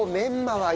はい！